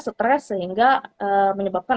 stress sehingga menyebabkan